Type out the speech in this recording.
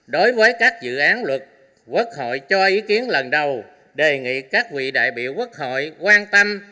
đối với các dự án luật quốc hội cho ý kiến lần đầu đề nghị các vị đại biểu quốc hội quan tâm